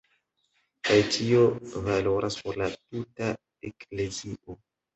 Kaj tio valoras por la tuta eklezio.